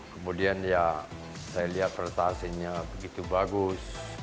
kemudian ya saya lihat prestasinya begitu bagus